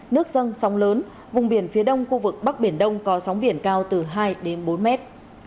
nước dâng sóng lớn vùng biển phía đông khu vực bắc biển đông có sóng biển cao từ hai đến bốn mét